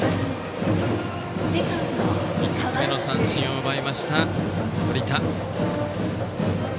３つ目の三振を奪いました、堀田。